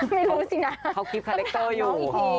ไม่รู้สินะเขาคลิปคาแรคเตอร์อยู่